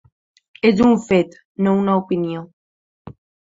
És un fet, no una opinió.